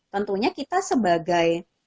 tentunya kita sebagai